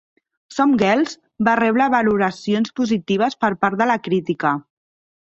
"Some Girls" va rebre valoracions positives per part de la crítica.